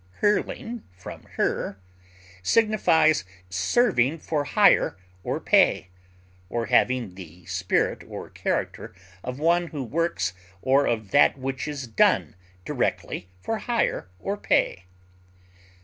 hyrling, from hyr) signifies serving for hire or pay, or having the spirit or character of one who works or of that which is done directly for hire or pay.